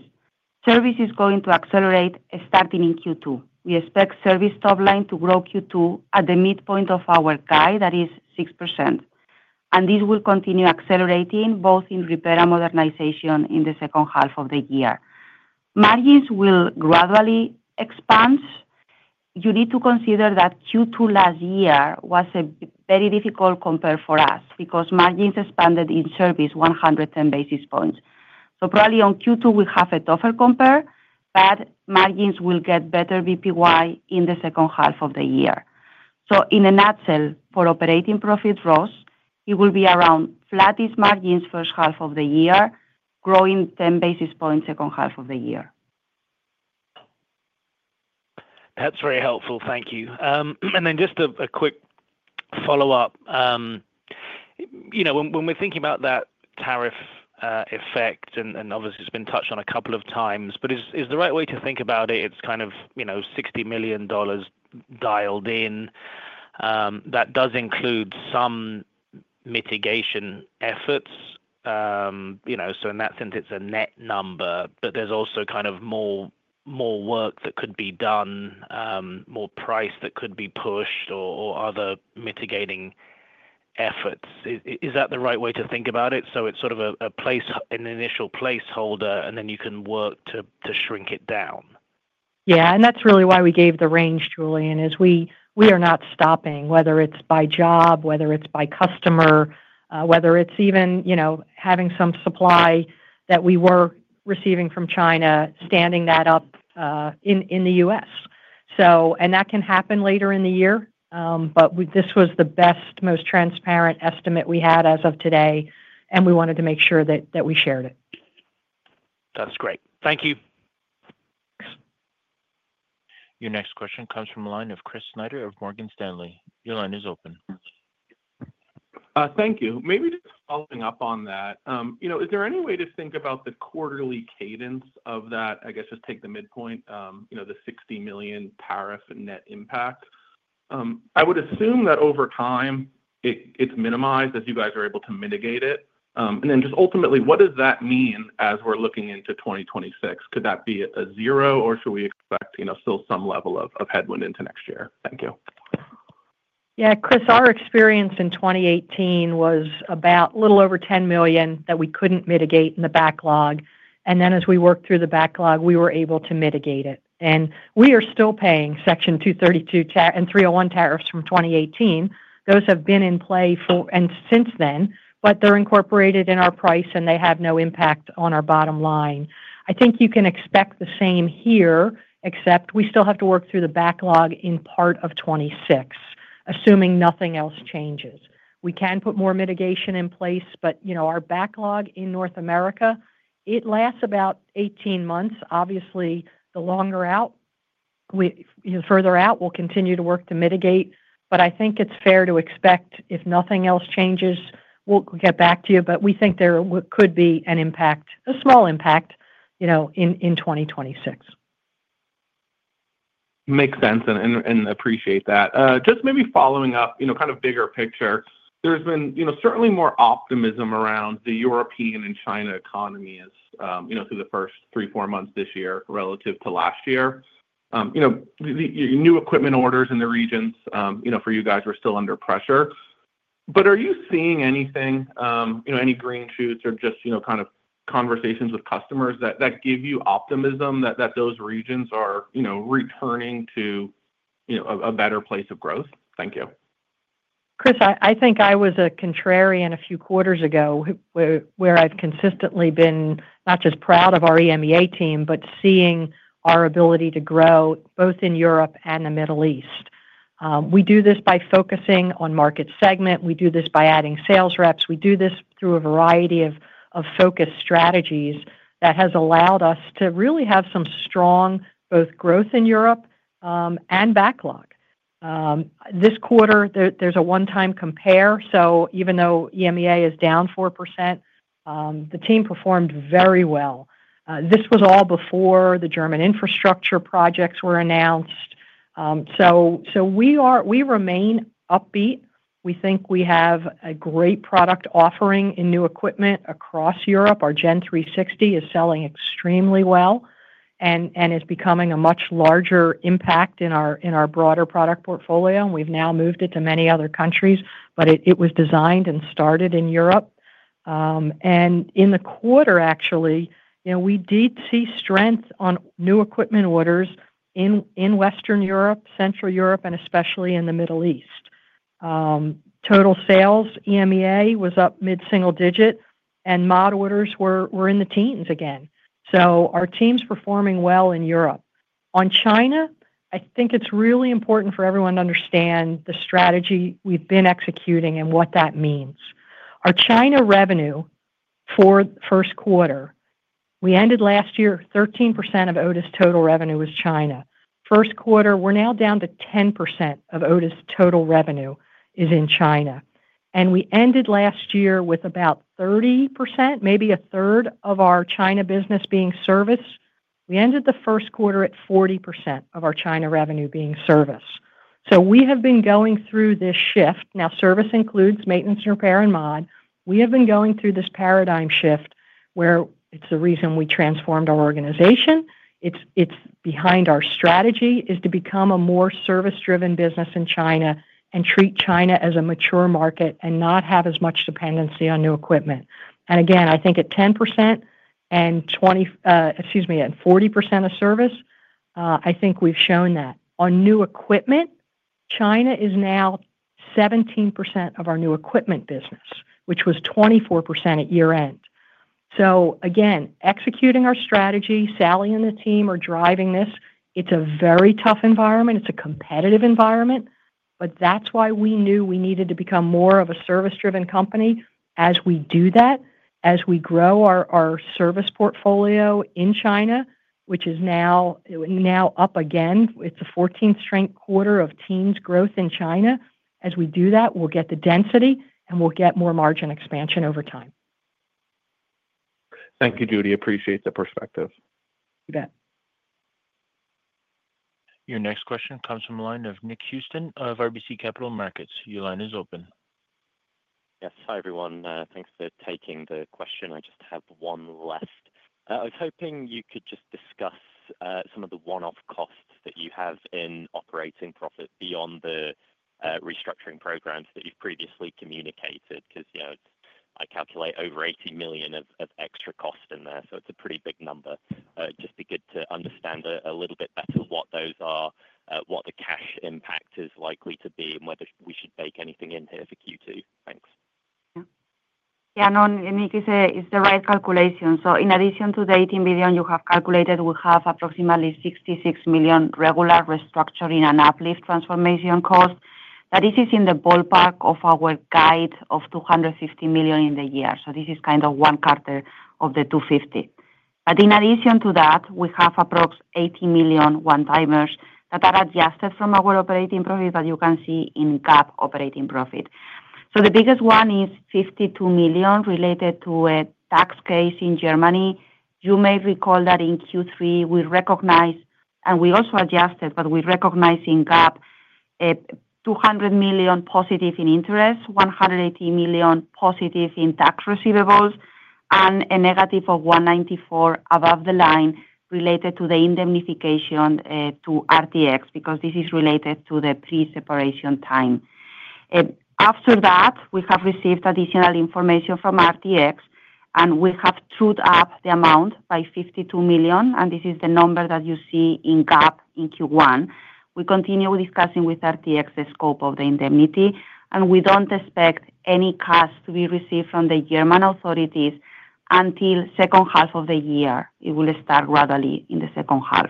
service is going to accelerate. Starting in Q2, we expect service top line to grow Q2 at the midpoint of our guide, that is 6%. This will continue accelerating both in repair and modernization. In the second half of the year, margins will gradually expand. You need to consider that Q2 last year was a very difficult compare for us because margins expanded in service 110 basis points. Probably on Q2 we have a tougher compare. Margins will get better BPY in the second half of the year. In a nutshell, for operating profit rows, it will be around flattish margins first half of the year, growing 10 basis points second half of the year. That's very helpful, thank you. And then just a quick follow up. You know, when we're thinking about that tariff effect and obviously it's been touched on a couple of times, but is the right way to think about it, it's kind of, you know, $60 million dialed in. That does include some mitigation efforts, you know, so in that sense it's a net number. But there's also kind of more work that could be done, more price that could be pushed or other mitigating efforts. Is that the right way to think about it? So it's sort of an initial placeholder and then you can work to shrink it down. Yeah, and that's really why we gave the range, Julian, is we are not stopping whether it's by job, whether it's by customer, whether it's even having some supply that we were receiving from China, standing that up in the U.S. That can happen later in the year. This was the best, most transparent estimate we had as of today, and we wanted to make sure that we shared it. That's great. Thank you. Your next question comes from the line of Chris Snyder of Morgan Stanley. Your line is open. Thank you. Maybe just following up on that, you know, is there any way to think about the quarterly cadence of that? I guess just take the midpoint, you know, the $60 million tariff net impact. I would assume that over time it's minimized as you guys are able to mitigate it. Ultimately, what does that mean as we're looking into 2026? Could that be a zero or should we expect still some level of headwind into next year? Thank you. Yeah, Chris, our experience in 2018 was about a little over $10 million that we couldn't mitigate in the backlog. As we worked through the backlog, we were able to mitigate it. We are still paying Section 232 and 301 tariffs from 2018. Those have been in play since then, but they're incorporated in our price and they have no impact on our bottom line. I think you can expect the same here, except we still have to work through the backlog in part of 2026. Assuming nothing else changes, we can put more mitigation in place. You know, our backlog in North America lasts about 18 months. Obviously, the longer out, the further out. We'll continue to work to mitigate, but I think it's fair to expect, if nothing else changes, we'll get back to you. We think there could be an impact, a small impact in 2026. Makes sense and appreciate that just maybe following up, kind of bigger picture. There has been certainly more optimism around the European and China economy, as you know, through the first three, four months this year relative to last year. You know, new equipment orders in the regions, you know, for you guys are still under pressure. Are you seeing anything, you know, any green shoots or just, you know, kind of conversations with customers that give you optimism that those regions are, you know, returning to, you know, a better place of growth. Thank you, Chris. I think I was a contrarian a few quarters ago where I've consistently been not just proud of our EMEA team, but seeing our ability to grow both in Europe and the Middle East. We do this by focusing on market segment. We do this by adding sales reps. We do this through a variety of focused strategies that has allowed us to really have some strong both growth in Europe and backlog this quarter. There's a one-time compare. Even though EMEA is down 4%, the team performed very well. This was all before the German infrastructure projects were announced. We remain upbeat. We think we have a great product offering in new equipment across Europe. Our Gen360 is selling extremely well and is becoming a much larger impact in our broader product portfolio and we've now moved it to many other countries. It was designed and started in Europe. In the quarter actually we did see strength on new equipment orders in Western Europe, Central Europe and especially in the Middle East. Total sales EMEA was up mid single digit and mod orders were in the teens again. Our team's performing well in Europe. On China, I think it's really important for everyone to understand the strategy we been executing and what that means. Our China revenue for first quarter we ended last year 13% of Otis total revenue was China. First quarter we're now down to 10% of Otis. Total revenue is in China and we ended last year with about 30%, maybe a third of our China business being serviced. We ended the first quarter at 40% of our China revenue being service. We have been going through this shift now. Service includes maintenance, repair and mod. We have been going through this paradigm shift where it's the reason we transformed our organization. It's behind our strategy is to become a more service driven business in China and treat China as a mature market and not have as much dependency on new equipment. I think at 10% and 20, excuse me, at 40% of service I think we've shown that on new equipment China is now 17% of our new equipment business which was 24% at year end. Executing our strategy, Sally and the team are driving this. It's a very tough environment, it's a competitive environment. That's why we knew we needed to become more of a service driven company. As we do that, as we grow our service portfolio in China which is now up again, it's a 14th straight quarter of teens growth in China. As we do that, we'll get the density and we'll get more margin expansion over time. Thank you, Judy. Appreciate the perspective. bet. Your next question comes from the line of Nick Houston of RBC Capital Markets. Your line is open. Yes. Hi everyone. Thanks for taking the question. I just have one left. I was hoping you could just discuss some of the one off costs that you have in operating profit beyond the restructuring programs that you've previously communicated. Because I calculate over $80 million of extra cost in there. It is a pretty big number. Just be good to understand a little bit better what those are, what the cash impact is likely to be and whether we should bake anything in here for Q. Thanks. It's the right calculation. In addition to the $18 billion you have calculated, we have approximately $66 million regular restructuring and uplift transformation cost that is in the ballpark of our guide of $250 million in the year. This is kind of one-fourth of the $250 million. In addition to that we have approximately $80 million one-timers that are adjusted from our operating profit that you can see in GAAP operating profit. The biggest one is $52 million related to a tax case in Germany. You may recall that in Q3 we recognized and we also adjusted but we recognized in GAAP $200 million positive in interest, $180 million positive in tax receivables and a negative of $194 million above the line related to the indemnification to RTX. This is related to the pre-separation time. After that we have received additional information from RTX and we have trued up the amount by $52 million. This is the number that you see in GAAP. In Q1 we continue discussing with RTX the scope of the indemnity. We do not expect any cash to be received from the German authorities until the second half of the year. It will start rapidly in the second half.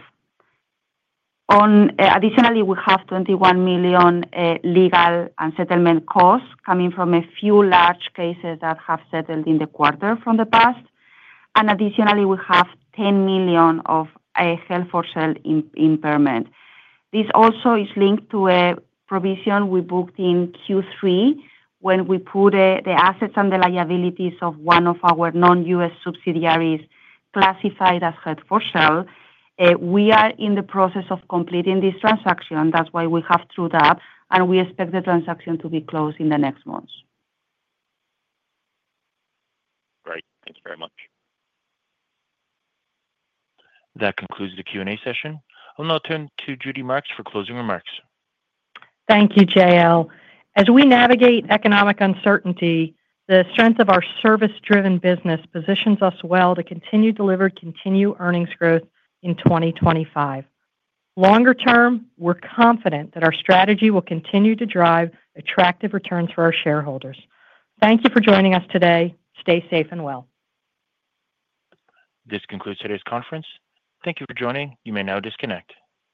Additionally, we have $21 million legal unsettlement costs coming from a few large cases that have settled in the quarter from the past. Additionally, we have $10 million of held for sale impairment. This also is linked to a provision we booked in Q3 when we put the assets and the liabilities of one of our non-US subsidiaries classified as held for sale. We are in the process of completing this transaction. That's why we have trued up and we expect the transaction to be closed in the next months. Great. Thank you very much. That concludes the Q&Amit MehrotraA session. I'll now turn to Judy Marks for closing remarks. Thank you JL. As we navigate economic uncertainty, the strength of our service-driven business positions us well to continue to deliver continued earnings growth in 2025. Longer term, we're confident that our strategy will continue to drive attractive returns for our shareholders. Thank you for joining us today. Stay safe and well. This concludes today's conference. Thank you for joining. You may now disconnect.